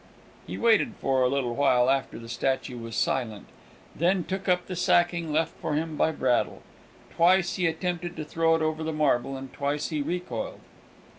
He waited for a little while after the statue was silent, and then took up the sacking left for him by Braddle; twice he attempted to throw it over the marble, and twice he recoiled.